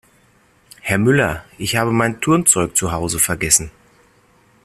Herr Müller, ich habe mein Turnzeug zu Hause vergessen.